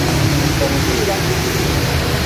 senutila